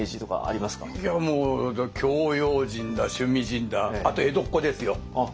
いやもう教養人だ趣味人だあと江戸っ子ですよ。